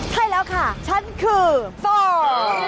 ใช่แล้วค่ะฉันคือโฟ